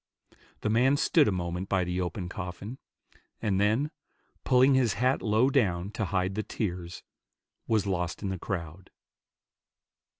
The man stood a moment by the open coffin, and then, pulling his hat low down to hide the tears, was lost in the crowd.